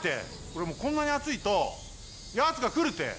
これもうこんなにあついとヤツがくるて！